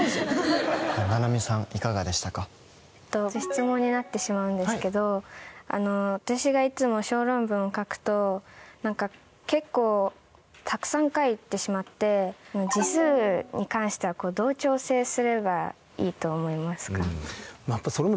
質問になってしまうんですけど私がいつも小論文を書くとなんか結構たくさん書いてしまって字数に関してはどう調整すればいいと思いますか？